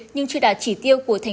nhưng chưa đạt chỉ tiêu của tp hcm